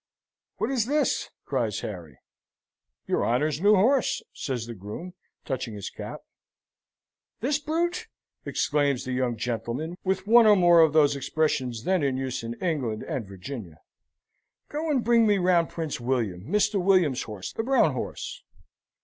"What is this?" cries Harry. "Your honour's new horse," says the groom, touching his cap. "This brute?" exclaims the young gentleman, with one or more of those expressions then in use in England and Virginia. "Go and bring me round Prince William, Mr. William's horse, the brown horse."